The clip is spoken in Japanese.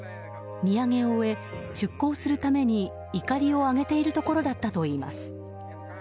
荷揚げを終え、出航するためにいかりを上げているところだったといいます。